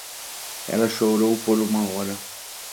Ela chorou por uma hora.